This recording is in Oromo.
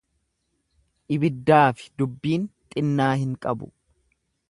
Ibiddaafi dubbiin xinnaa hin qabu.